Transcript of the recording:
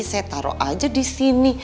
saya taro aja disini